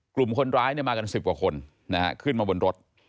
กลุ่มคนร้ายมากัน๑๐กว่าคนขึ้นมาบนรถ